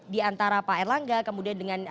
di antara pak erlangga kemudian dengan